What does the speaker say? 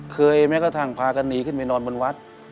แม้กระทั่งพากันหนีขึ้นไปนอนบนวัด